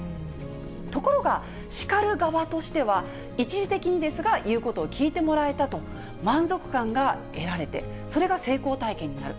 ところが叱る側としては、一時的にですが、言うことを聞いてもらえたと、満足感が得られて、それが成功体験になる。